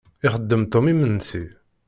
Ixeddem Tom imensi.